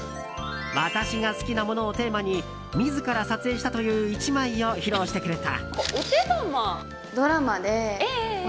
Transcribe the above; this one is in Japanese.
「私が好きなもの」をテーマに自ら撮影したという１枚を披露してくれた。